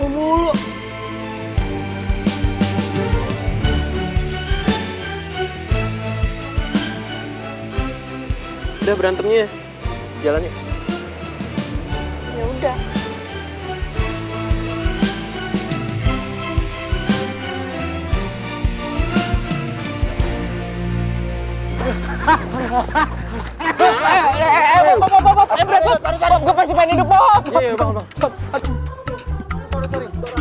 udah berantemnya ya jalannya ya udah